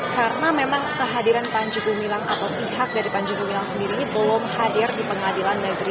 karena memang kehadiran panji gumilang atau pihak dari panji gumilang sendiri belum hadir di pengadilan negeri